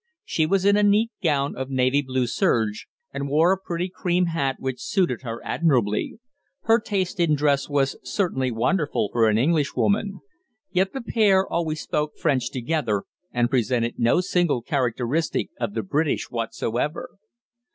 She was in a neat gown of navy blue serge, and wore a pretty cream hat which suited her admirably. Her taste in dress was certainly wonderful for an Englishwoman. Yet the pair always spoke French together, and presented no single characteristic of the British whatsoever.